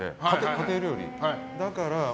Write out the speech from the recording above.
家庭料理。